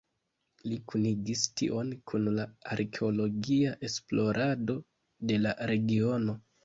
Li kunigis tion kun la arkeologia esplorado de la regiono.